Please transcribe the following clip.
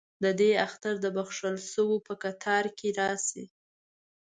ددې اختر دبخښل شووپه کتار کې راشي